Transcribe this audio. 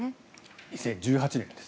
２０１８年です。